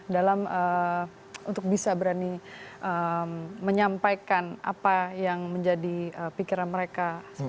dalam untuk bisa berani menyampaikan apa yang menjadi pikiran mereka